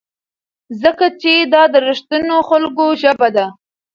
ځکه چې دا د رښتینو خلکو ژبه ده.